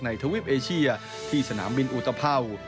ในทวิปเอเชียที่สนามบินอุตพร่าว